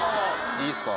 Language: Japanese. いいですか？